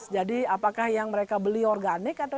jadi apakah yang mereka beli organik atau tidak